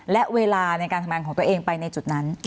และเวลาในการทำงานของตัวเองไปในจุดนั้น